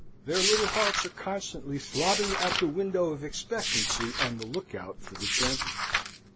Their little hearts are constantly throbbing at the window of expectancy on the lookout for the champion.